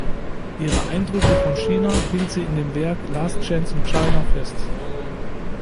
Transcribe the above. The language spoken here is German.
Ihre Eindrücke von China hielt sie in dem Werk "Last Chance in China" fest.